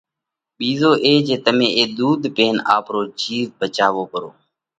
ٻِيزو اي جي تمي اي ۮُوڌ پينَ آپرو جِيوَ ڀچاوو پرو